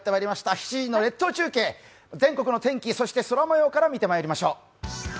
７時の列島中継、全国の天気、そして空もようから見てまいりましょう。